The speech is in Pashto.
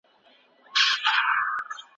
نفسي غوښتني نه منل کېږي.